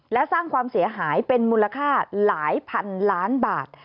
และสร้างความเสียหายเป็นมูลค่าหลายพันล้านบาท